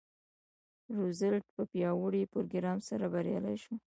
روزولټ په پیاوړي پروګرام سره بریالی شو.